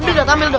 ini udah tamil doh